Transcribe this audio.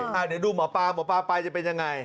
เดี๋ยวดูหมอปลาหมอปลาไปจะเป็นยังไง